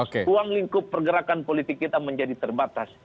ruang lingkup pergerakan politik kita menjadi terbatas